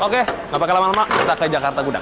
oke nggak pakai lama lama kita ke jakarta gudang